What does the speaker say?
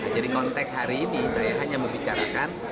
jadi kontek hari ini saya hanya membicarakan